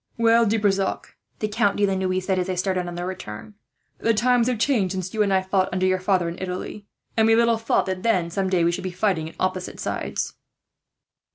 "Well, De Brissac," the Count de la Noue said, as they started on their return, "the times have changed since you and I fought under your father in Italy; and we little thought, then, that some day we should be fighting on opposite sides."